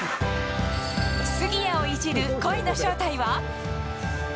杉谷をいじる声の正体は。